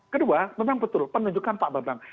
kedua memang betul penunjukan pak bambang